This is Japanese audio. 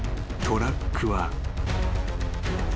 ［トラックは］